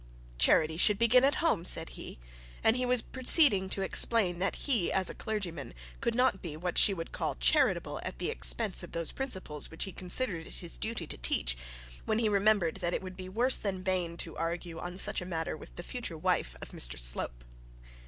'Charity should begin at home,' said he; and he was proceeding to explain that he as a clergyman could not be what she would call charitable at the expense of those principles which he considered it his duty to teach, when he remembered that it would be worse than vain to argue on such a matter with the future wife of Mr Slope.